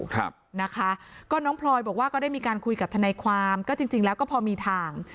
ครับนะคะก็น้องพลอยบอกว่าก็ได้มีการคุยกับทนายความก็จริงจริงแล้วก็พอมีทาง